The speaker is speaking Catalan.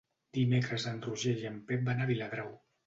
Dimecres en Roger i en Pep van a Viladrau.